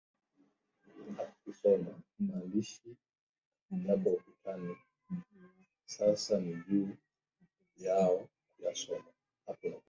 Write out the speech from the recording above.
maandishi yako ukutani sasa ni juu yao kuyasoma